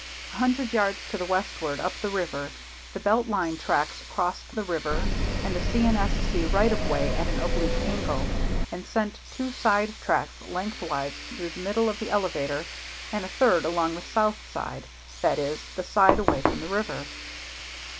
A hundred yards to the westward, up the river, the Belt Line tracks crossed the river and the C. & S. C. right of way at an oblique angle, and sent two side tracks lengthwise through the middle of the elevator and a third along the south side, that is, the side away from the river.